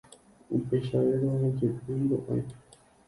Upeichavérõ jepe ndo'ái.